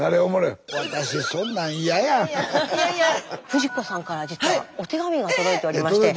フヂ子さんから実はお手紙が届いておりまして。